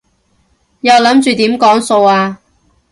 又諗住點講數啊？